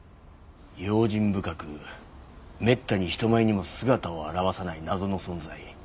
用心深くめったに人前にも姿を現さない謎の存在。